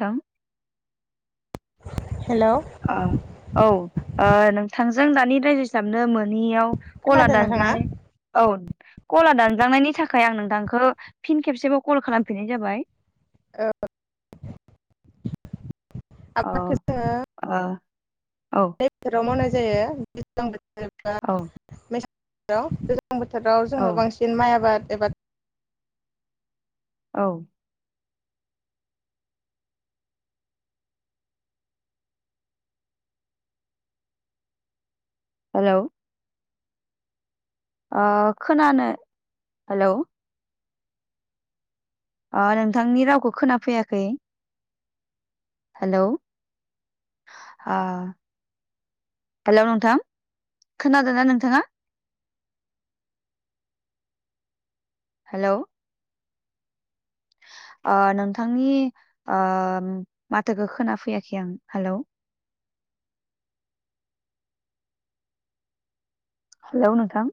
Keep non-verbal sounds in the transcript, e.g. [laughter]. नोंथां [inaudible] अ औ आ नों थांजों दानि रायजो हिसाबनो मोनोैयाव कला खोनादों नोंथाङा दानजानाय औ कला दानजांनायनि थाखाय आं नोंथांखौ फिन खेबसेब कल खालामफिननाय जाबाय [unintelligible] अ आबादखौ ओ जोङो राव मावनाय ज जायो बेसेबां बोर औ हेलौ ज्लां बोथोराव औ जोङो बांसिन माइ आबाद बेब औ हेलौ ओ खोनानो हेलौ अ नोंथांनि रावखौ खोनाफैयाखै हेलौ हेलौ नोंथां खोनादों ना नोंथाङा हेलौ ओ नोंथांनि ओ माथोखौ खोनाफैयाखै आं हेलौ हेलौ नोंथां